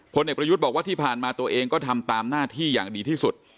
เด็กประยุทธ์บอกว่าที่ผ่านมาตัวเองก็ทำตามหน้าที่อย่างดีที่สุด